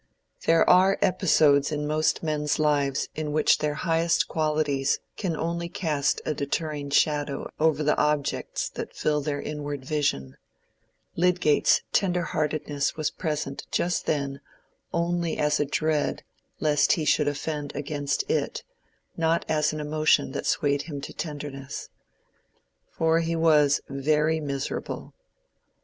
There are episodes in most men's lives in which their highest qualities can only cast a deterring shadow over the objects that fill their inward vision: Lydgate's tenderheartedness was present just then only as a dread lest he should offend against it, not as an emotion that swayed him to tenderness. For he was very miserable.